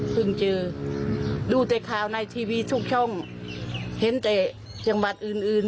เจอดูแต่ข่าวในทีวีทุกช่องเห็นแต่จังหวัดอื่นอื่น